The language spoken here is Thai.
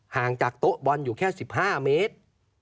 ห่างจากโต๊ะบอลอยู่แค่๑๕เมตร